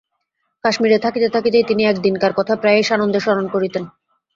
কাশ্মীরে থাকিতে থাকিতেই তিনি একদিনকার কথা প্রায়ই সানন্দে স্মরণ করিতেন।